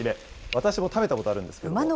私も食べたことあるんですけど。